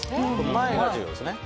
前が重要です。